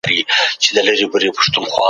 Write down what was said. که تاسو وغواړئ، د ټکټ اخیستل ممکن دی.